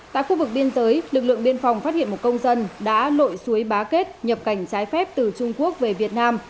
tại khu vực biên giới lực lượng biên phòng phát hiện một công dân đã lội suối bá kết nhập cảnh trái phép từ trung quốc về việt nam